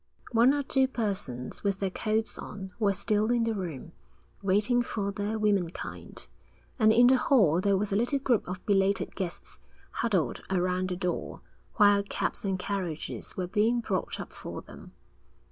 One or two persons, with their coats on, were still in the room, waiting for their womenkind; and in the hall there was a little group of belated guests huddled around the door, while cabs and carriages were being brought up for them.